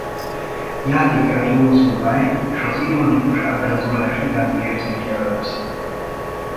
Játékát vonzó báj és az ironikus ábrázolás iránti érzék jellemezte.